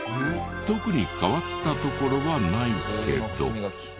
特に変わったところはないけど。